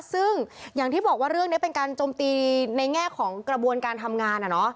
ซึ่งอย่างที่บอกว่าเรื่องนี้เป็นการจมตีในแง่ของกระบวนการทำงาน